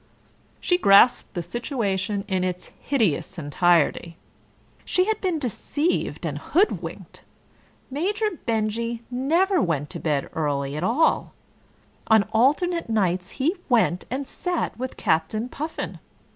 She grasped the situation in its hideous entirety. She had been deceived and hoodwinked. Major Benjy never went to bed early at all: on alternate nights he went and sat with Captain Puffin.